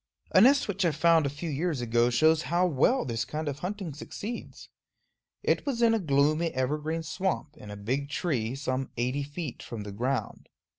A nest which I found a few years ago shows how well this kind of hunting succeeds. It was in a gloomy evergreen swamp, in a big tree, some eighty feet from the ground.